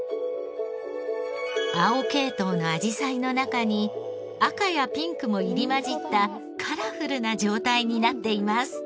青系統のあじさいの中に赤やピンクも入り交じったカラフルな状態になっています。